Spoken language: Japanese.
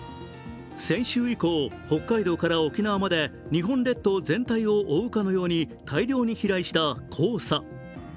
先週以降、北海道から沖縄まで日本列島全体を覆うかのように大量に飛来した黄砂。